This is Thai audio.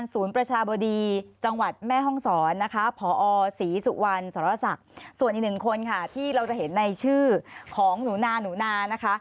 ส่วนอีกหนึ่งคนค่ะที่เราจะเห็นในชื่อของหนูนานะคะ